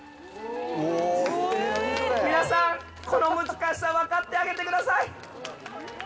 皆さん、この難しさ、分かってあげてください。